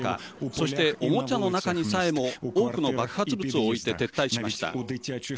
そして、おもちゃの中にさえも多くの爆発物を置いて撤退しました。